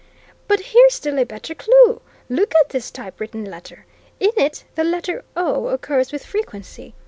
"But here's a still better clue! Look at this typewritten letter. In it, the letter o occurs with frequency.